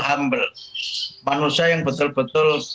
humble manusia yang betul betul